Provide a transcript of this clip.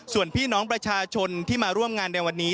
ส่วนพี่น้องประชาชนที่มาร่วมงานในวันนี้